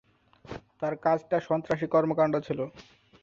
তার কাজটা সন্ত্রাসী কর্মকাণ্ড ছিলো।